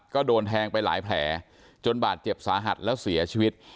ก็โดนแทงไปหลายแผลจนบาดเจ็บสาหัสแล้วเสียชีวิต